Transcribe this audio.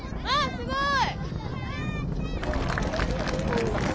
すごーい。